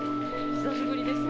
久しぶりです。